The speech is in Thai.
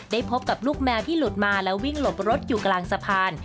พบกับลูกแมวที่หลุดมาแล้ววิ่งหลบรถอยู่กลางสะพาน